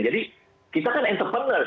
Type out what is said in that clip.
jadi kita kan entrepreneur